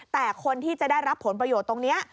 แต่คนที่จะได้รับผลประโยชน์ตรงนี้